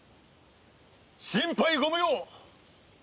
心配ご無用！